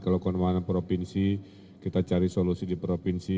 kalau kemana provinsi kita cari solusi di provinsi